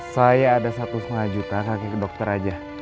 saya ada satu setengah juta kakek dokter saja